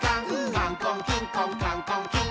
「カンコンキンコンカンコンキン！」